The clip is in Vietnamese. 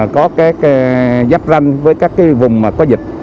có các giáp ranh với các cái vùng mà có dịch